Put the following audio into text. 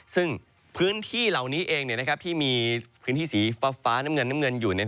ซึ่งพื้นที่เหล่านี้เองที่มีพื้นที่สีฟ้าน้ำเงินน้ำเงินอยู่